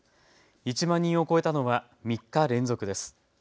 １万人を超えたのは３日連続です。